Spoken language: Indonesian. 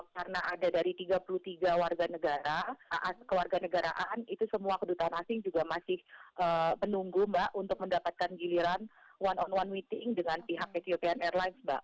karena ada dari tiga puluh tiga warga negara kewarga negaraan itu semua kedutaan asing juga masih menunggu mbak untuk mendapatkan giliran one on one meeting dengan pihak etiopian airlines mbak